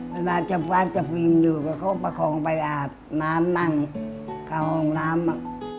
เวลาชะพร้อมวิวเดี๋ยวเขาประคองไปอาบน้ำนั่งเข้าห้องน้ำ